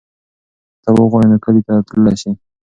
که ته وغواړې نو کلي ته تللی شو.